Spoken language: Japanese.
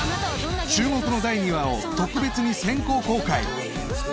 注目の第２話を特別に先行公開